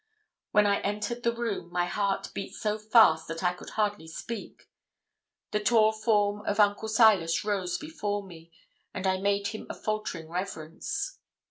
When I entered the room, my heart beat so fast that I could hardly speak. The tall form of Uncle Silas rose before me, and I made him a faltering reverence.